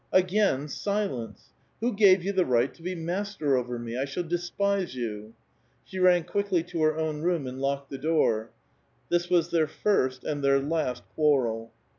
^^ Again, silence! Who gave you the right to be master over mc ? I shall despise you I " She ran quickly to her own room and locked the door. This was their first and their last quarrel.